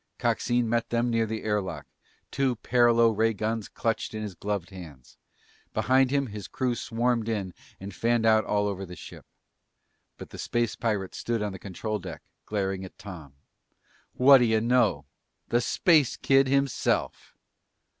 Coxine met them near the air lock, two paralo ray guns clutched in his gloved hands. Behind him, his crew swarmed in and fanned out all over the ship. But the space pirate stood on the control deck, glaring at Tom. "Whaddya know! The Space Kid himself!"